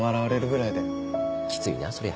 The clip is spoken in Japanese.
きついなそりゃ。